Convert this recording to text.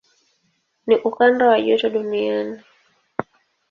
Ni ukanda wa joto duniani.